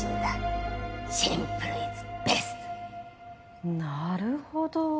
シンプルイズベストなるほど。